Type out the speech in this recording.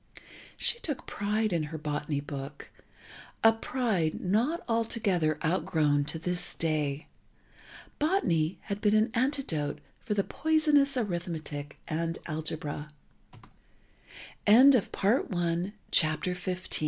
She took pride in her botany book, a pride not altogether out grown to this day. Botany had been an antidote for that poisonous arithmetic and algebra. XVI IT SOUNDS LIKE HEAVEN L